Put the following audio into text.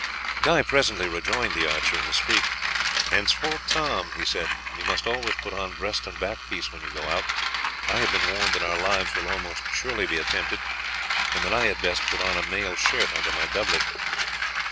Guy presently rejoined the archer in the street. "Henceforth, Tom," he said, "you must always put on breast and back piece when you go out. I have been warned that our lives will almost surely be attempted, and that I had best put on a mail shirt under my doublet."